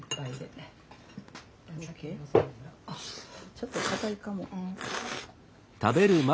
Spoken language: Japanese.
ちょっと固いかも。